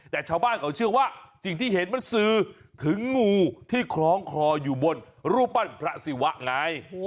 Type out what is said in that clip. แต่ชาวบ้านเขาเชื่อว่าสิ่งที่เห็นมันสื่อถึงงูที่คล้องคออยู่บนรูปปั้นพระศิวะไง